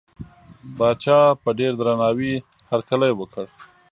پاچا په ډېر درناوي هرکلی وکړ.